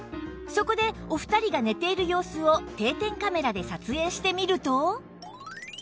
そこでお二人が寝ている様子を定点カメラで撮影してみると